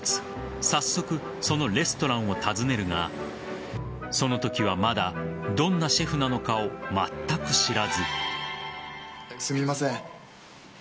早速、そのレストランを訪ねるがそのときはまだどんなシェフなのかをまったく知らず。